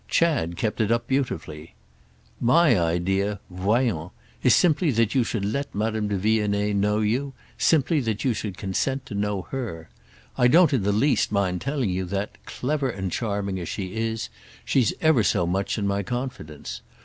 Chad kept it up beautifully. "My idea—voyons!—is simply that you should let Madame de Vionnet know you, simply that you should consent to know her. I don't in the least mind telling you that, clever and charming as she is, she's ever so much in my confidence.